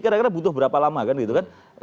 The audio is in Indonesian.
kira kira butuh berapa lama kan gitu kan